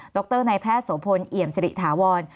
รนายแพทย์โสพลเอี่ยมสิริถาวร